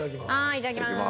いただきます。